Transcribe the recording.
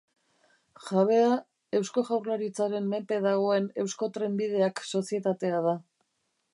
Jabea Eusko Jaurlaritzaren menpe dagoen Eusko Trenbideak sozietatea da.